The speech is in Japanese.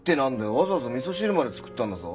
わざわざ味噌汁まで作ったんだぞ。